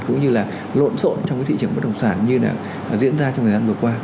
cũng như là lộn xộn trong cái thị trường bất động sản như là diễn ra trong thời gian vừa qua